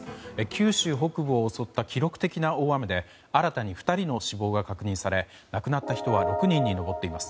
九州北部を襲った記録的な大雨で新たに２人の死亡が確認され亡くなった人は６人に上っています。